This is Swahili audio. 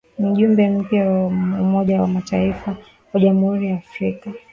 Mjumbe mpya wa Umoja wa mataifa kwa Jamhuri ya Afrika